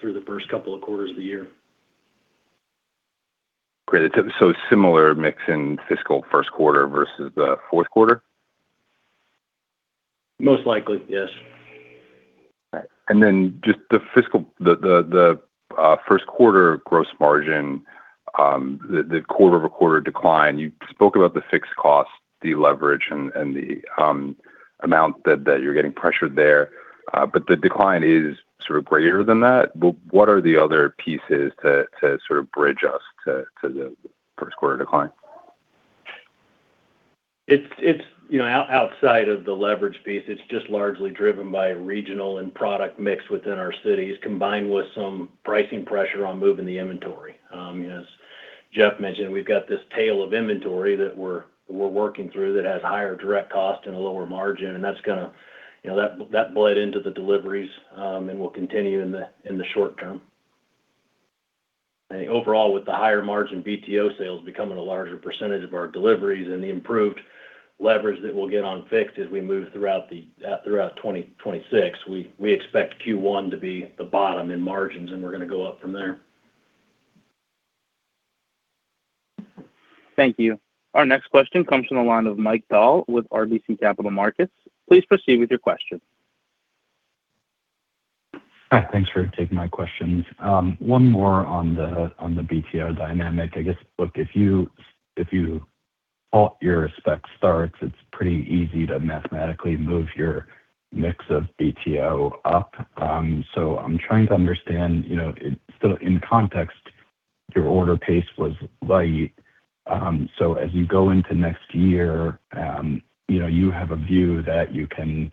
through the first couple of quarters of the year. Great. So similar mix in fiscal first quarter versus the fourth quarter? Most likely, yes. And then just the fiscal first quarter gross margin, the quarter-over-quarter decline. You spoke about the fixed costs, the leverage, and the amount that you're getting pressured there. But the decline is sort of greater than that. What are the other pieces to sort of bridge us to the first quarter decline? It's outside of the leverage piece. It's just largely driven by regional and product mix within our cities combined with some pricing pressure on moving the inventory. As Jeff mentioned, we've got this tail of inventory that we're working through that has higher direct cost and a lower margin. And that bled into the deliveries and will continue in the short term. Overall, with the higher margin BTO sales becoming a larger percentage of our deliveries and the improved leverage that we'll get on fixed as we move throughout 2026, we expect Q1 to be the bottom in margins, and we're going to go up from there. Thank you. Our next question comes from the line of Michael Dahl with RBC Capital Markets. Please proceed with your question. Hi. Thanks for taking my questions. One more on the BTO dynamic. I guess if you call it your spec starts, it's pretty easy to mathematically move your mix of BTO up. So I'm trying to understand, still in context, your order pace was light. So as you go into next year, you have a view that you can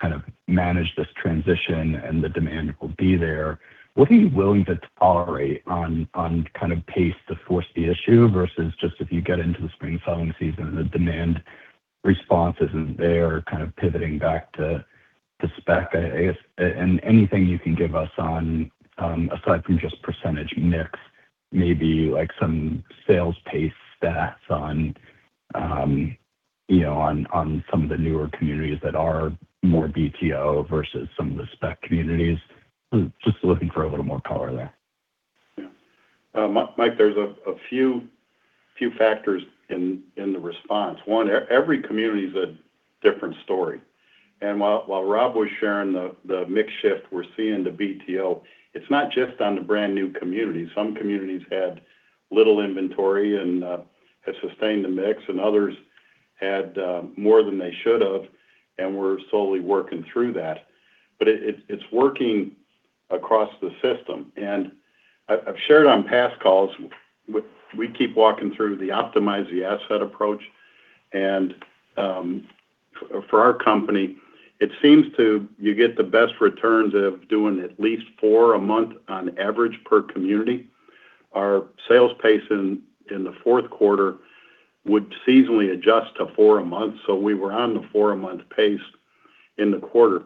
kind of manage this transition and the demand will be there. What are you willing to tolerate on kind of pace to force the issue versus just if you get into the spring selling season and the demand response isn't there, kind of pivoting back to spec? And anything you can give us on, aside from just percentage mix, maybe some sales pace stats on some of the newer communities that are more BTO versus some of the spec communities? Just looking for a little more color there. Yeah. Michael, there's a few factors in the response. One, every community is a different story. And while Rob was sharing the mix shift we're seeing to BTO, it's not just on the brand new communities. Some communities had little inventory and had sustained the mix, and others had more than they should have and were slowly working through that. But it's working across the system. And I've shared on past calls, we keep walking through the optimize the asset approach. And for our company, it seems to you get the best returns of doing at least four a month on average per community. Our sales pace in the fourth quarter would seasonally adjust to four a month. So we were on the four-a-month pace in the quarter.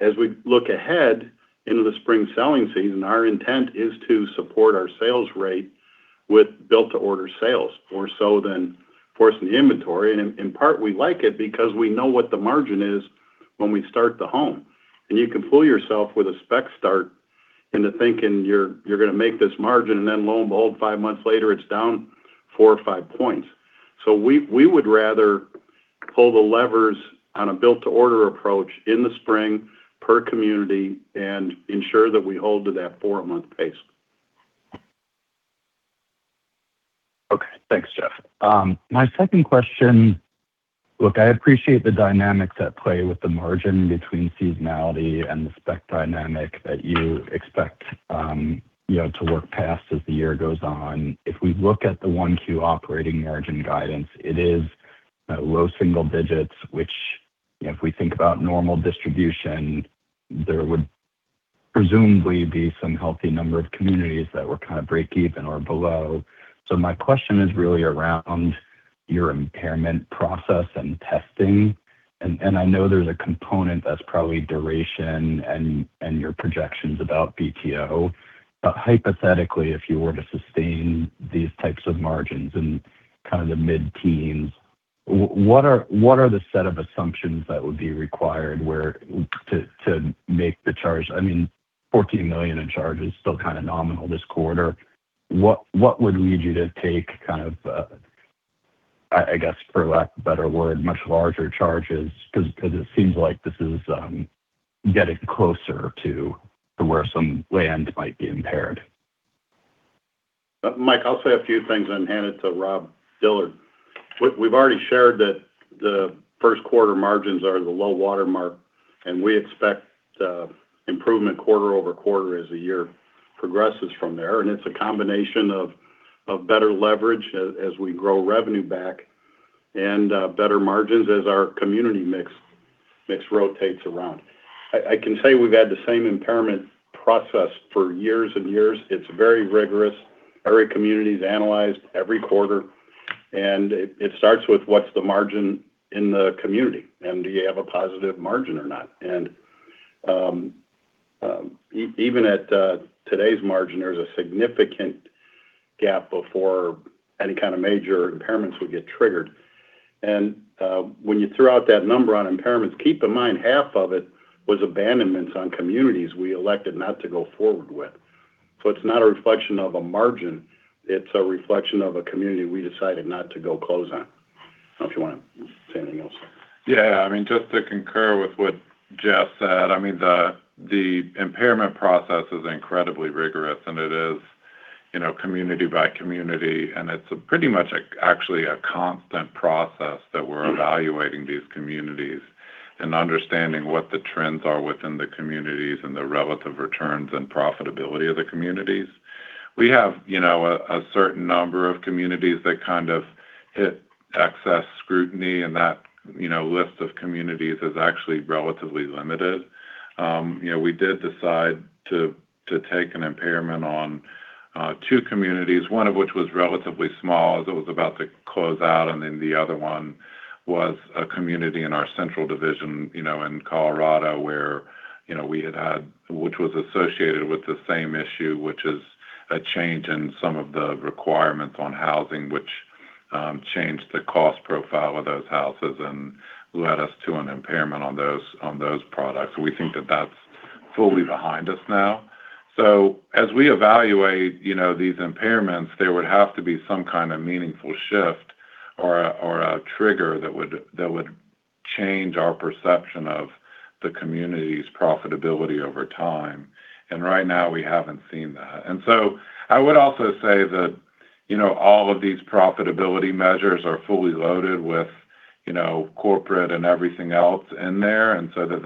As we look ahead into the spring selling season, our intent is to support our sales rate with Built-to-Order sales more so than forcing the inventory. And in part, we like it because we know what the margin is when we start the home. And you can fool yourself with a spec start into thinking you're going to make this margin and then lo and behold, five months later, it's down four or five points. So we would rather pull the levers on a Built-to-Order approach in the spring per community and ensure that we hold to that four-a-month pace. Okay. Thanks, Jeff. My second question, look, I appreciate the dynamics at play with the margin between seasonality and the spec dynamic that you expect to work past as the year goes on. If we look at the Q1 operating margin guidance, it is low single-digits, which if we think about normal distribution, there would presumably be some healthy number of communities that were kind of break-even or below. So my question is really around your impairment process and testing. And I know there's a component that's probably duration and your projections about BTO. But hypothetically, if you were to sustain these types of margins in kind of the mid-teens, what are the set of assumptions that would be required to make the charge? I mean, $14 million charge is still kind of nominal this quarter. What would lead you to take kind of, I guess, for lack of a better word, much larger charges? Because it seems like this is getting closer to where some land might be impaired. Mike, I'll say a few things and hand it to Rob Dillard. We've already shared that the first quarter margins are the low-water mark, and we expect improvement quarter-over-quarter as the year progresses from there. And it's a combination of better leverage as we grow revenue back and better margins as our community mix rotates around. I can say we've had the same impairment process for years and years. It's very rigorous. Every community is analyzed every quarter. And it starts with what's the margin in the community and do you have a positive margin or not? And even at today's margin, there's a significant gap before any kind of major impairments would get triggered. And when you throw out that number on impairments, keep in mind half of it was abandonments on communities we elected not to go forward with. So it's not a reflection of a margin. It's a reflection of a community we decided not to go close on. I don't know if you want to say anything else. Yeah. I mean, just to concur with what Jeff said, I mean, the impairment process is incredibly rigorous, and it is community by community, and it's pretty much actually a constant process that we're evaluating these communities and understanding what the trends are within the communities and the relative returns and profitability of the communities. We have a certain number of communities that kind of hit excess scrutiny, and that list of communities is actually relatively limited. We did decide to take an impairment on two communities, one of which was relatively small as it was about to close out. And then the other one was a community in our Central division in Colorado where we had had, which was associated with the same issue, which is a change in some of the requirements on housing, which changed the cost profile of those houses and led us to an impairment on those products. We think that that's fully behind us now. So as we evaluate these impairments, there would have to be some kind of meaningful shift or a trigger that would change our perception of the community's profitability over time. And right now, we haven't seen that. And so I would also say that all of these profitability measures are fully loaded with corporate and everything else in there. And so that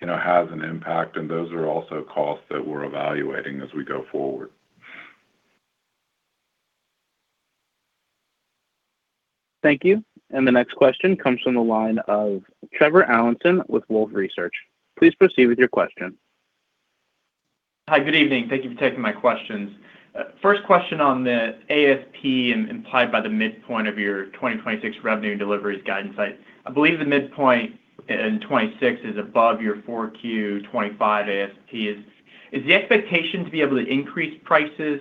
has an impact. And those are also costs that we're evaluating as we go forward. Thank you, and the next question comes from the line of Trevor Allinson with Wolfe Research. Please proceed with your question. Hi. Good evening. Thank you for taking my questions. First question on the ASP implied by the midpoint of your 2026 revenue and deliveries guidance. I believe the midpoint in 2026 is above your 4Q 2025 ASPs. Is the expectation to be able to increase prices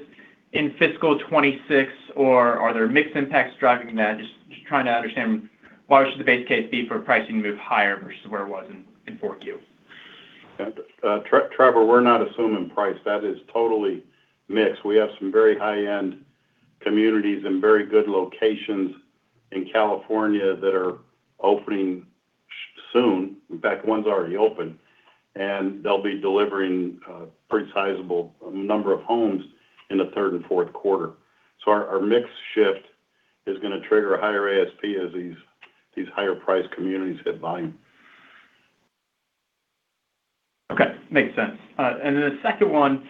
in fiscal 2026, or are there mixed impacts driving that? Just trying to understand why should the base case be for pricing to move higher versus where it was in 4Q 2025? Trevor, we're not assuming price. That is totally mixed. We have some very high-end communities and very good locations in California that are opening soon. In fact, one's already open, and they'll be delivering a pretty sizable number of homes in the third and fourth quarter, so our mix shift is going to trigger a higher ASP as these higher-priced communities hit volume. Okay. Makes sense. And then the second one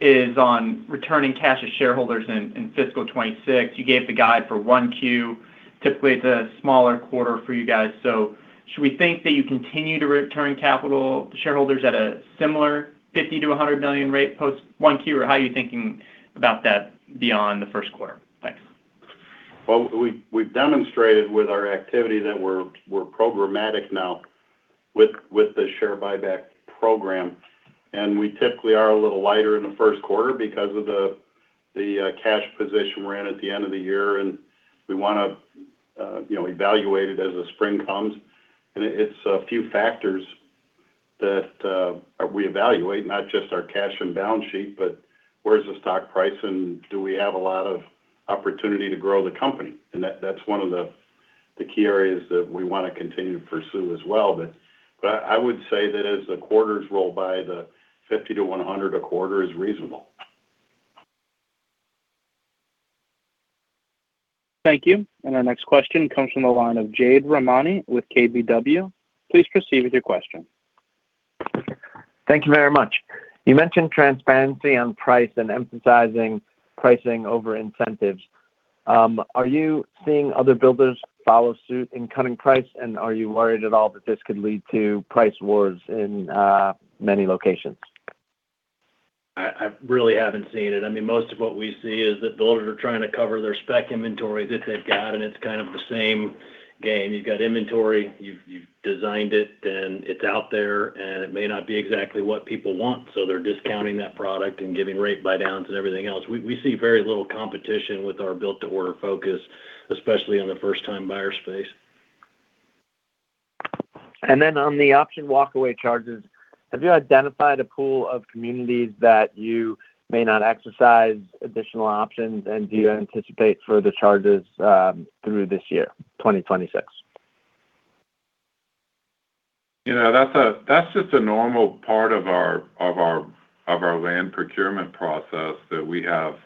is on returning cash to shareholders in fiscal 2026. You gave the guide for Q1. Typically, it's a smaller quarter for you guys. So should we think that you continue to return capital to shareholders at a similar $50 million-$100 million rate post Q1, or how are you thinking about that beyond the first quarter? Thanks. Well, we've demonstrated with our activity that we're programmatic now with the share buyback program. And we typically are a little lighter in the first quarter because of the cash position we're in at the end of the year. And we want to evaluate it as the spring comes. And it's a few factors that we evaluate, not just our cash and balance sheet, but where's the stock price, and do we have a lot of opportunity to grow the company? And that's one of the key areas that we want to continue to pursue as well. But I would say that as the quarters roll by, the 50-100 a quarter is reasonable. Thank you. And our next question comes from the line of Jade Rahmani with KBW. Please proceed with your question. Thank you very much. You mentioned transparency on price and emphasizing pricing over incentives. Are you seeing other builders follow suit in cutting price, and are you worried at all that this could lead to price wars in many locations? I really haven't seen it. I mean, most of what we see is that builders are trying to cover their spec inventory that they've got, and it's kind of the same game. You've got inventory, you've designed it, and it's out there, and it may not be exactly what people want. So they're discounting that product and giving rate buydowns and everything else. We see very little competition with our Built-to-Order focus, especially on the first-time buyer space. And then on the option walkaway charges, have you identified a pool of communities that you may not exercise additional options, and do you anticipate further charges through this year, 2026? That's just a normal part of our land procurement process that we have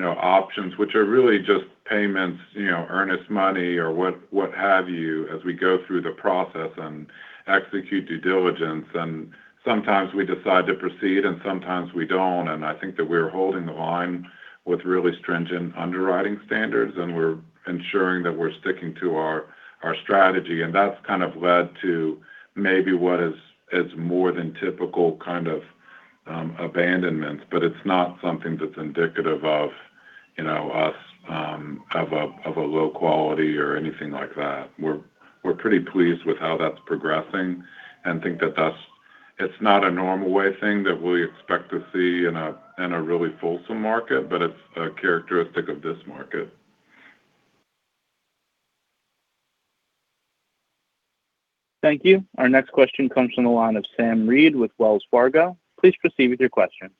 options, which are really just payments, earnest money, or what have you as we go through the process and execute due diligence. And sometimes we decide to proceed, and sometimes we don't. And I think that we're holding the line with really stringent underwriting standards, and we're ensuring that we're sticking to our strategy. And that's kind of led to maybe what is more than typical kind of abandonments, but it's not something that's indicative of a low quality or anything like that. We're pretty pleased with how that's progressing and think that it's not a normal way thing that we expect to see in a really fulsome market, but it's a characteristic of this market. Thank you. Our next question comes from the line of Sam Reid with Wells Fargo. Please proceed with your question.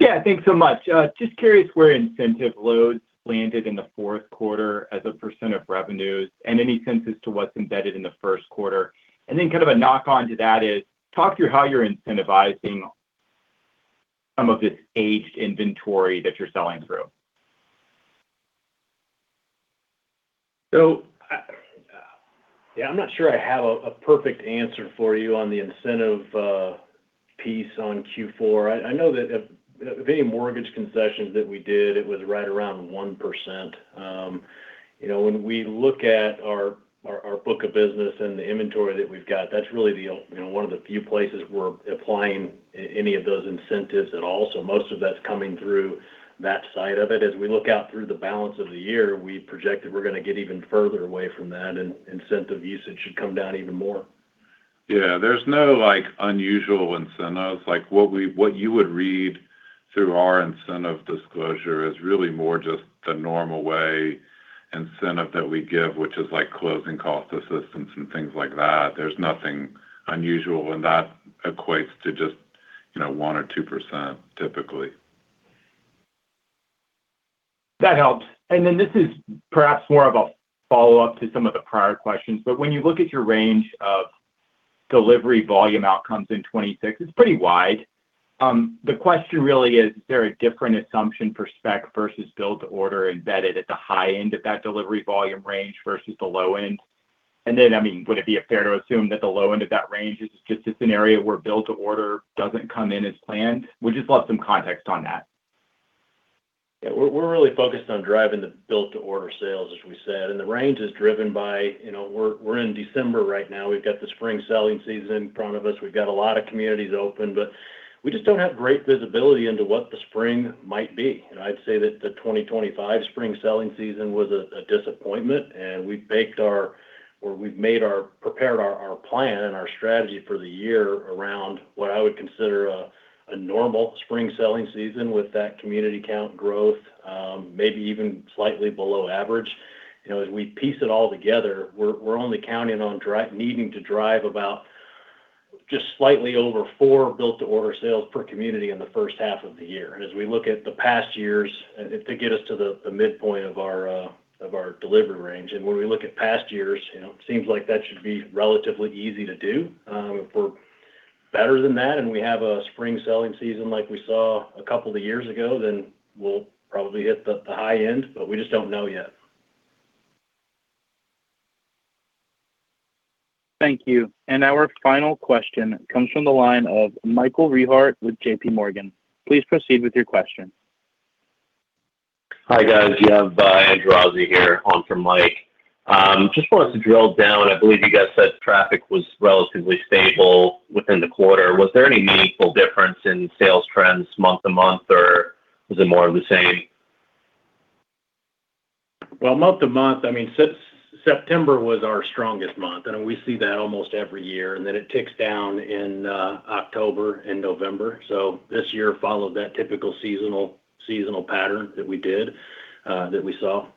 Yeah. Thanks so much. Just curious where incentive loads landed in the fourth quarter as a percent of revenues and any sense to what's embedded in the first quarter. And then kind of a knock-on to that is talk through how you're incentivizing some of this aged inventory that you're selling through. So yeah, I'm not sure I have a perfect answer for you on the incentive piece on Q4. I know that of any mortgage concessions that we did, it was right around 1%. When we look at our book of business and the inventory that we've got, that's really one of the few places we're applying any of those incentives at all. So most of that's coming through that side of it. As we look out through the balance of the year, we projected we're going to get even further away from that, and incentive usage should come down even more. Yeah. There's no unusual incentives. What you would read through our incentive disclosure is really more just the normal way incentive that we give, which is closing cost assistance and things like that. There's nothing unusual, and that equates to just 1% or 2% typically. That helps. And then this is perhaps more of a follow-up to some of the prior questions. But when you look at your range of delivery volume outcomes in 2026, it's pretty wide. The question really is, is there a different assumption for spec versus Build-to-Order embedded at the high end of that delivery volume range versus the low end? And then, I mean, would it be fair to assume that the low end of that range is just a scenario where Build-to-Order doesn't come in as planned? We just love some context on that. Yeah. We're really focused on driving the build-to-order sales, as we said. And the range is driven by we're in December right now. We've got the spring selling season in front of us. We've got a lot of communities open, but we just don't have great visibility into what the spring might be. And I'd say that the 2025 spring selling season was a disappointment, and we've prepared our plan and our strategy for the year around what I would consider a normal spring selling season with that community count growth, maybe even slightly below average. As we piece it all together, we're only counting on needing to drive about just slightly over four build-to-order sales per community in the first half of the year. And as we look at the past years, to get us to the midpoint of our delivery range, and when we look at past years, it seems like that should be relatively easy to do. If we're better than that and we have a spring selling season like we saw a couple of years ago, then we'll probably hit the high end, but we just don't know yet. Thank you. And our final question comes from the line of Michael Rehaut with JPMorgan. Please proceed with your question. Hi, guys. You have Andrew Aziz here, on for Michael. Just wanted to drill down. I believe you guys said traffic was relatively stable within the quarter. Was there any meaningful difference in sales trends month to month, or was it more of the same? Month to month, I mean, September was our strongest month, and we see that almost every year. Then it ticks down in October and November. This year followed that typical seasonal pattern that we did, that we saw.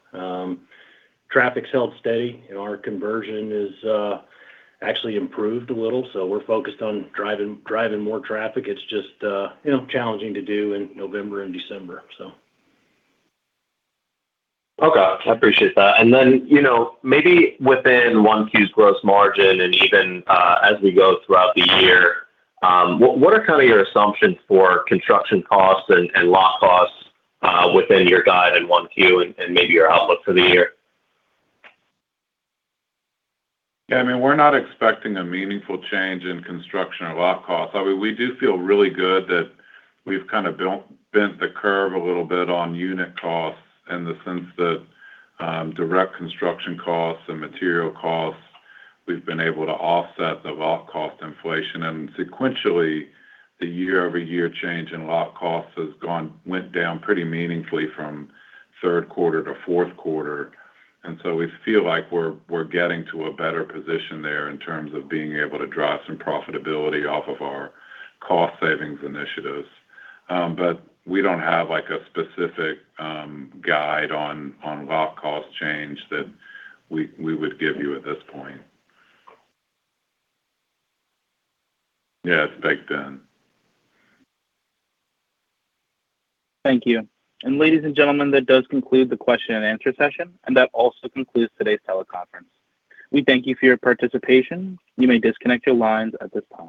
Traffic's held steady. Our conversion has actually improved a little, so we're focused on driving more traffic. It's just challenging to do in November and December, so. Okay. I appreciate that. And then maybe within Q1's gross margin and even as we go throughout the year, what are kind of your assumptions for construction costs and lot costs within your guide and Q1 and maybe your outlook for the year? Yeah. I mean, we're not expecting a meaningful change in construction or lot costs. I mean, we do feel really good that we've kind of bent the curve a little bit on unit costs in the sense that direct construction costs and material costs, we've been able to offset the lot cost inflation. And sequentially, the year-over-year change in lot costs went down pretty meaningfully from third quarter to fourth quarter. And so we feel like we're getting to a better position there in terms of being able to drive some profitability off of our cost savings initiatives. But we don't have a specific guide on lot cost change that we would give you at this point. Yeah. It's baked in. Thank you. And ladies and gentlemen, that does conclude the question and answer session, and that also concludes today's teleconference. We thank you for your participation. You may disconnect your lines at this time.